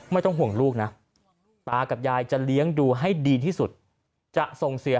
ไม่ต้องห่วงลูกนะตากับยายจะเลี้ยงดูให้ดีที่สุดจะส่งเสีย